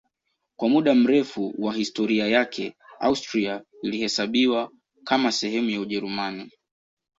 Kwa muda mrefu wa historia yake Austria ilihesabiwa kama sehemu ya Ujerumani.